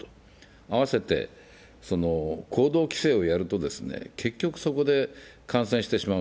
併せて行動規制をやると結局、そこで感染してしまう。